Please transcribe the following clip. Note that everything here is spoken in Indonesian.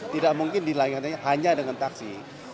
tidak mungkin dilayakan hanya dengan taksi